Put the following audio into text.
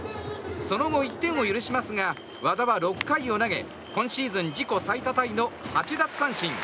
その後、１点を許しますが和田は６回を投げ今シーズン自己最多タイの８奪三振。